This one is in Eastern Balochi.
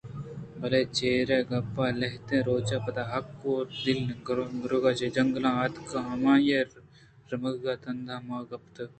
بلے چرے گپّ ءِ لہتیں روچ ءَ پد حقّ ءُ دل گُرک چہ جنگلاں اتک ءُ ہمائی ءِ رمگ ءُ تنداں ماں کپت